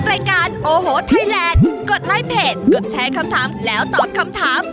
รายการโอ้โหไทยแลนด์กดไลค์เพจกดแชร์คำถามแล้วตอบคำถาม